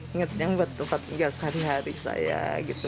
inget yang buat tempat tinggal sehari hari saya gitu